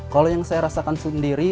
kalau yang saya rasakan sendiri